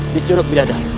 di curug bidadari